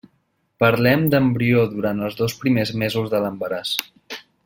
Parlem d'embrió durant els dos primers mesos de l'embaràs.